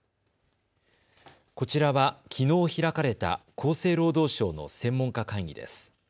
こちらはきのう開かれた厚生労働省の専門家会議です。